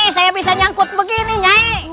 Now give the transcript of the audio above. saya bisa menangkapnya seperti ini nyai